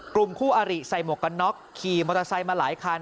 กลุ่มคู่อริใส่หมวกกันน็อกขี่มอเตอร์ไซค์มาหลายคัน